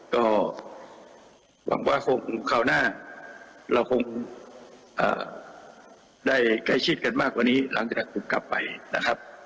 ก็หวังว่าคงคราวหน้าเราคงได้ใกล้ชิดกันมากกว่านี้หลังจากถูกกลับไปนะครับ